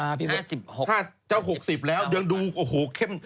อ่าพี่เบิร์ดหกสิบหกสิบแล้วยังดูโอ้โหเข้ม